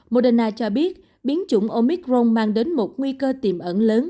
moderna cho biết biến chủng omicron mang đến một nguy cơ tiềm ẩn lớn